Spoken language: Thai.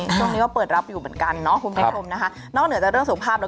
ช่วงนี้ก็เปิดรับอยู่เหมือนกันนะ